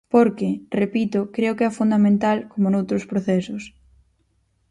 Porque –repito– creo que é fundamental, como noutros procesos.